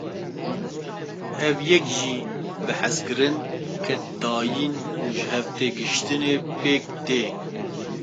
Ev yek jî bi hezkirin, keddayîn û jihevtêgihaştinê pêk tê.